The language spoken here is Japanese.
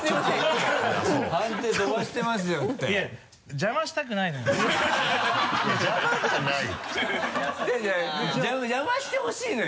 邪魔してほしいのよ。